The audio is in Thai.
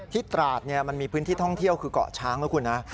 ตราดมันมีพื้นที่ท่องเที่ยวคือเกาะช้างนะคุณนะ